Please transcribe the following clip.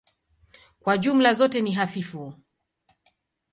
Kwa jumla zote ni hafifu.